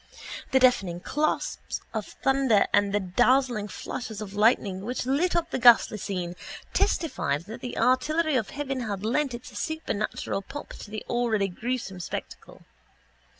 The deafening claps of thunder and the dazzling flashes of lightning which lit up the ghastly scene testified that the artillery of heaven had lent its supernatural pomp to the already gruesome spectacle.